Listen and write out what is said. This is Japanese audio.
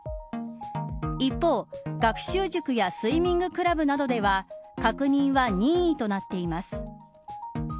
一方、学習塾やスイミングクラブなどでは確認は任意となっています。